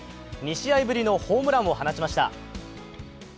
２試合ぶりのホームランを放ちました。